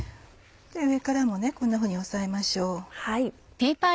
上からもこんなふうに押さえましょう。